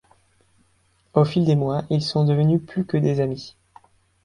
Au fil des mois, ils sont devenus plus que des amis.